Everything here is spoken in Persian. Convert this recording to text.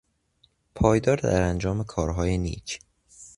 پایدار در انجام کارهای نیک